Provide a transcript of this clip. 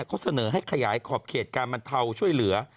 เขาเสนอให้ขยายขอบเขตการบรรเทาช่วยเหลือ